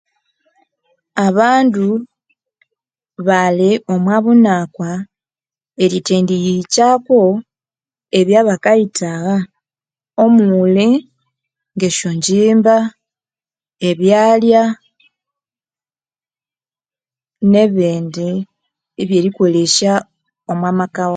Abandu bali omwa bunakwa, erithendiyihikyako ebya bakayithagha omuli ngesyo ngyimba, ebyalya, nebindi ebyerikolesya omwa maka wabo